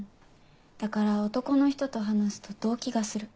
だから男の人と話すと動悸がする。